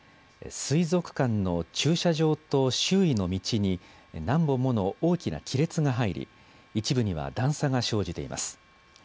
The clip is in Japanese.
水族館の駐車場と周囲の道に、何本もの大きな亀裂が入り、一部には段差が生じています。